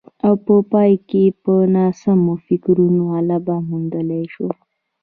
او په پای کې په ناسمو فکرونو غلبه موندلای شو